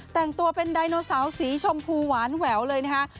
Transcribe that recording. แต่งตัวเป็นไดโนเสาร์สีชมพูหวานแหววเลยนะคะ